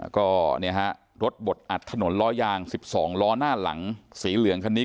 ก็เนี้ยฮะรถบดอัดถนนลอยวาง๑๒ล้อน่าหลังสีเหลืองคันนี้